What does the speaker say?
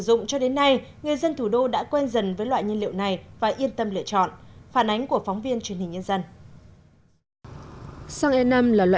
dụng cho đến nay người dân thủ đô đã quen dần với loại nhiên liệu này và yên tâm lựa chọn